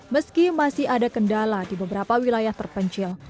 meski masih ada kendala di beberapa wilayah terpencil